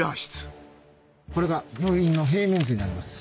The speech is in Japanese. これが病院の平面図になります。